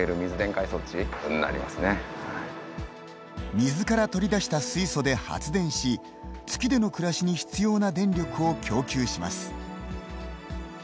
水から取り出した水素で発電し月での暮らしに必要な電力を供給します。